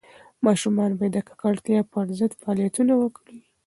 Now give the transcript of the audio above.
ماشومان باید د ککړتیا پر ضد فعالیتونه وکړي.